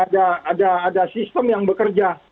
ada sistem yang bekerja